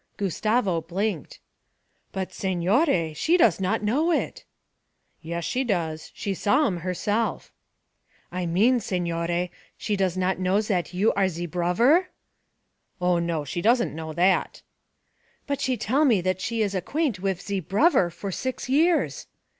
Gustavo blinked. 'But, signore, she does not know it.' 'Yes, she does she saw 'em herself.' 'I mean, signore, she does not know zat you are ze brover?' 'Oh, no, she doesn't know that.' 'But she tell me zat she is acquaint wif ze brover for six years.'